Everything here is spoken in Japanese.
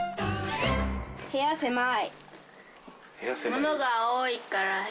部屋が狭い。